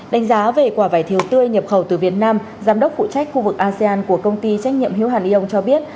đánh giá về quả vài thiều tươi nhập khẩu từ việt nam giám đốc phụ trách khu vực asean của công ty trách nhiệm hiếu hẳn yêu cho biết